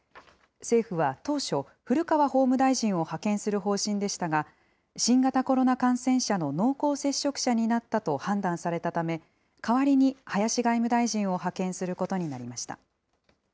政府は当初、古川法務大臣を派遣する方針でしたが、新型コロナ感染者の濃厚接触者になったと判断されたため、代わりに林外務大臣を派遣することになりました。